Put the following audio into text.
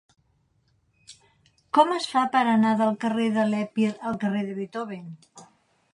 Com es fa per anar del carrer de l'Epir al carrer de Beethoven?